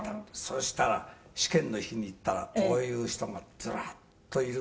「そしたら試験の日に行ったらこういう人がズラッといるんですよ」